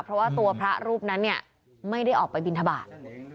เพราะว่าตัวพระรูปนั้นเนี่ยไม่ได้ออกไปบินทบาท